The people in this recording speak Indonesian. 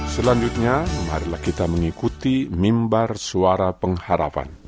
selanjutnya marilah kita mengikuti mimbar suara pengharapan